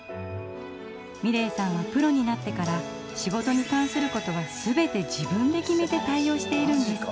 美礼さんはプロになってから仕事に関することは全て自分で決めて対応しているんです。